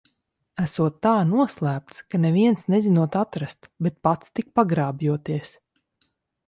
Esot tā noslēpts, ka neviens nezinot atrast, bet pats tik pagrābjoties.